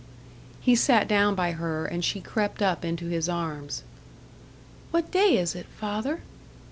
He sat down by her, and she crept up into his arms. "What day is it, father?"